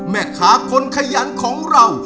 แม่ค้าคนขยันของเรา